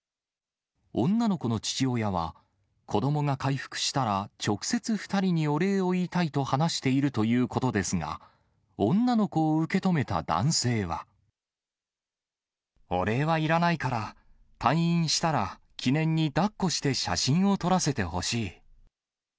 女の子の父親は、子どもが回復したら、直接２人にお礼を言いたいと話しているということですが、女の子お礼はいらないから、退院したら、記念にだっこして写真を撮らせてほしい。